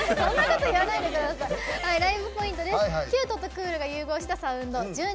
ライブポイントです。